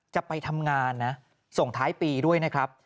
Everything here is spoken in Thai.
จะไปทำงานนะส่งท้ายปีด้วยนะครับ